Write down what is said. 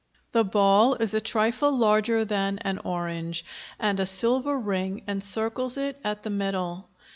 The ball is a trifle larger than an orange and a silver ring encircles it at the middle.